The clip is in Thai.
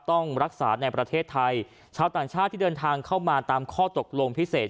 ต้องรักษาในประเทศไทยชาวต่างชาติที่เดินทางเข้ามาตามข้อตกลงพิเศษ